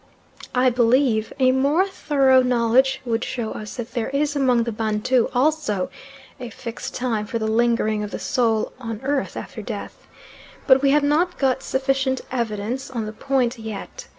I believe a more thorough knowledge would show us that there is among the Bantu also a fixed time for the lingering of the soul on earth after death, but we have not got sufficient evidence on the point yet.